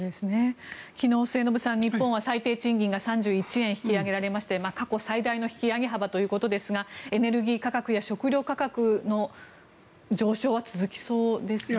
昨日、末延さん日本は最低賃金が３１円引き上げられまして過去最大の引き上げ幅ということですがエネルギー価格や食糧価格の上昇は続きそうですね。